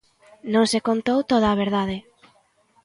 Non se contou toda a verdade.